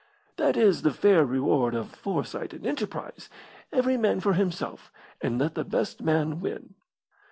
"That is the fair reward of foresight and enterprise. Every man for himself, and let the best man win."